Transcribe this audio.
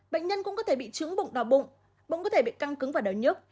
bệnh nhân cũng có thể bị trứng bụng đỏ bụng bụng có thể bị căng cứng và đau nhức